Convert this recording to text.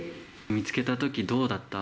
見つけたとき、どうだった？